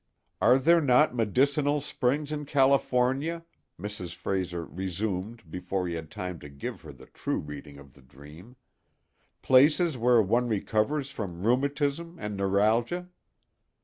"Are there not medicinal springs in California?" Mrs. Frayser resumed before he had time to give her the true reading of the dream—"places where one recovers from rheumatism and neuralgia?